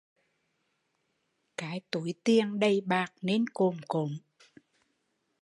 Cái túi tiền đầy bạc nên cồm cộm